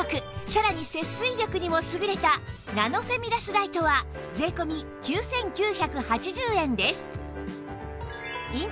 さらに節水力にも優れたナノフェミラスライトは税込９９８０円です